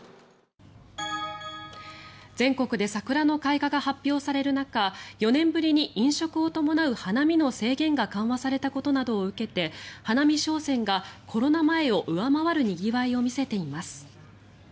全国で桜の開花が発表される中４年ぶりに飲食を伴う花見の制限が緩和されたことなどを受けて花見商戦がコロナ前を上回るにぎわいを見せています。